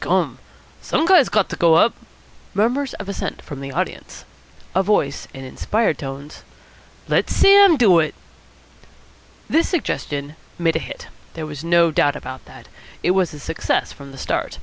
"Gum! some guy's got to go up." Murmur of assent from the audience. A voice, in inspired tones: "Let Sam do it!" This suggestion made a hit. There was no doubt about that. It was a success from the start.